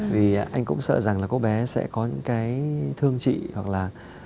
vì anh cũng sợ rằng là cô bé sẽ có những cái thương trị hoặc là